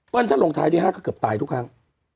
ปั้นถ้าลงท้ายด้วยห้าก็เกือบตายทุกครั้ง